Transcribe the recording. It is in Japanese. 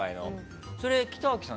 それは北脇さん